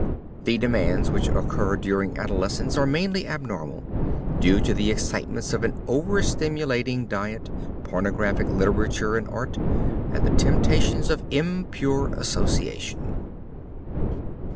The demands which occur during adolescence are mainly abnormal, due to the excitements of an overstimulating diet, pornographic literature and art, and the temptations of impure association.